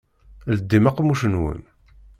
Ldim aqemmuc-nwen!